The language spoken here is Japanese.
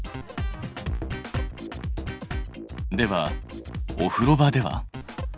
ではお風呂場では？